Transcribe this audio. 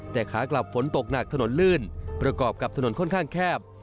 แต่ขากลับฝนตกหนักถนนลื่นประกอบกับถนนค่อนข้างแคบ